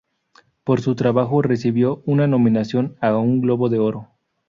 Por su trabajo recibió una nominación a un Globo de Oro.